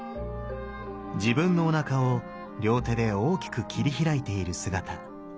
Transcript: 自分のおなかを両手で大きく切り開いている姿。